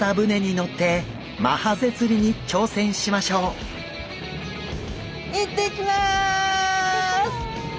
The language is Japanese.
行ってきます。